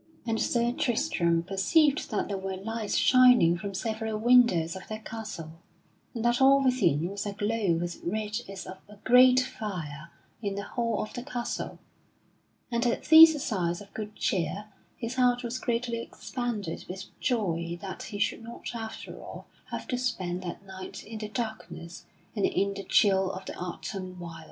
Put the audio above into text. And Sir Tristram perceived that there were lights shining from several windows of that castle, and that all within was aglow with red as of a great fire in the hall of the castle; and at these signs of good cheer, his heart was greatly expanded with joy that he should not after all have to spend that night in the darkness and in the chill of the autumn wilds.